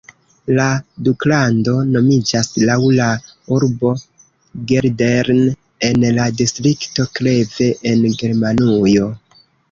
La duklando nomiĝas laŭ la urbo Geldern en la distrikto Kleve en Germanujo.